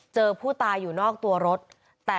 เจอผู้ตายอยู่นอกตัวรถ